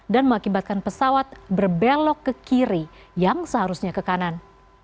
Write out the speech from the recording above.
dan mengakibatkan pesawat berbelok ke kiri yang seharusnya ke kanan